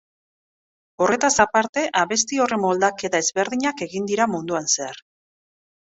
Horretaz aparte, abesti horren moldaketa ezberdinak egin dira munduan zehar.